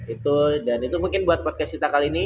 itu dan itu mungkin buat podcast sita kali ini